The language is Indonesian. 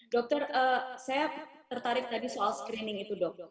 dokter saya tertarik tadi soal screening itu dok dok